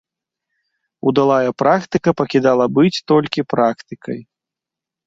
Удалая практыка пакідала быць толькі практыкай.